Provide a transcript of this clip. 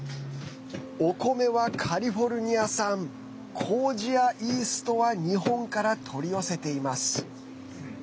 お米はカリフォルニア産こうじやイーストは日本から取り寄せています。